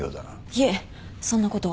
いえそんなことは。